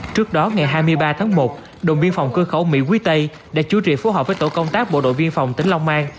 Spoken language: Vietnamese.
trước đó ngày hai mươi ba tháng một đồng biên phòng cơ khẩu mỹ quý tây đã chú trị phối hợp với tổ công tác bộ đội biên phòng tỉnh long an